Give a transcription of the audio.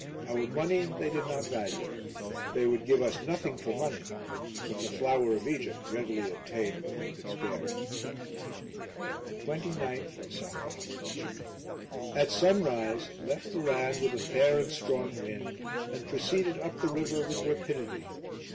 Our money they did not value; they would give us nothing for money, but the flour of Egypt readily obtained what they could spare. 29th of Safa. At sunrise left the land with a fair and strong wind, and proceeded up the river with rapidity.